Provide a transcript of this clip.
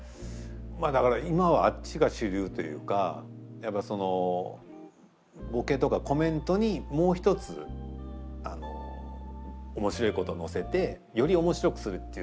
だから今はあっちが主流というかやっぱそのボケとかコメントにもう一つ面白いことを乗せてより面白くするっていう。